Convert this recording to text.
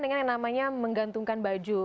dengan yang namanya menggantungkan baju